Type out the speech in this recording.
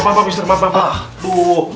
bapak mister bapak bapak